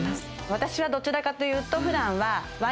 私はどちらかというと。